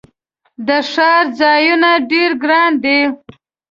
د ښار ځایونه ډیر ګراندي